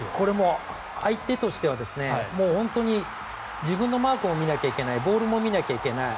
相手としては自分のマークを見なきゃいけないボールも見なきゃいけない